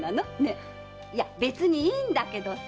いや別にいいんだけどさ！